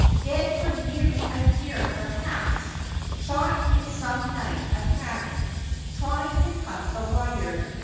Dead for nearly a year perhaps, shot in some night attack, trying to cut the wire.